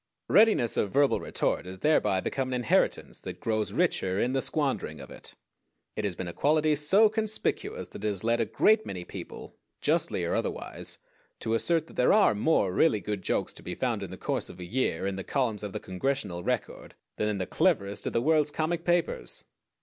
Readiness of verbal retort has thereby become an inheritance that grows richer in the squandering of it. It has been a quality so conspicuous that it has led a great many people, justly or otherwise, to assert that there are more really good jokes to be found in the course of a year in the columns of the "Congressional Record" than in the cleverest of the world's comic papers.